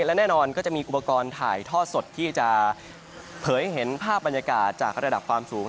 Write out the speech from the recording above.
และแน่นอนก็จะมีอุปกรณ์ถ่ายทอดสดที่จะเผยเห็นภาพบรรยากาศจากระดับความสูง